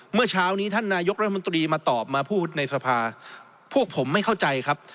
เมื่อเช้านี้ท่านนายกรัฐมนตรีมาตอบมาพูดในสภาพวกผมไม่เข้าใจครับ